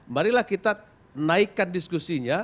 marilah kita naikkan diskusinya